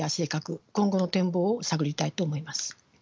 今後の展望を探りたいと思います。